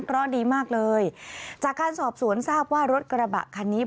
เพราะดีมากเลยจากการสอบสวนทราบว่ารถกระบะคันนี้